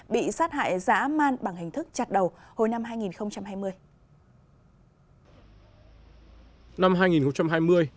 bị sát hại dã man bằng hình thức chặt đầu hồi năm hai nghìn hai mươi